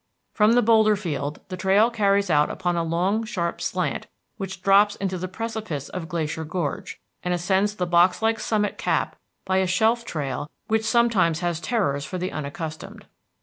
From the boulder field the trail carries out upon a long sharp slant which drops into the precipice of Glacier Gorge, and ascends the box like summit cap by a shelf trail which sometimes has terrors for the unaccustomed.